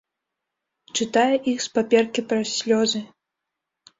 Чытае іх з паперкі праз слёзы.